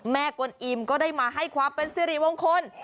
กวนอิมก็ได้มาให้ความเป็นสิริมงคล